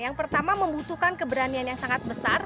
yang pertama membutuhkan keberanian yang sangat besar